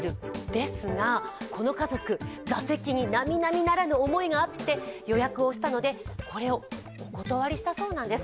ですが、この家族、座席に並々ならぬ思いがあって予約をしたのでこれをお断りしたそうなんです。